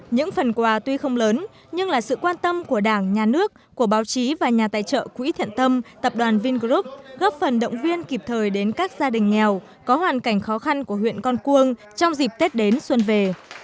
những phần quà tuy không lớn nhưng là sự quan tâm của đảng nhà nước của báo chí và nhà tài trợ quỹ thiện tâm tập đoàn vingroup góp phần động viên kịp thời đến các gia đình nghèo có hoàn cảnh khó khăn của huyện con cuông trong dịp tết đến xuân về